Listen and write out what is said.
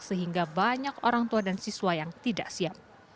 sehingga banyak orang tua dan siswa yang tidak siap